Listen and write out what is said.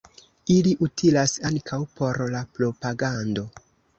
Ili utilas ankaŭ por la propagando.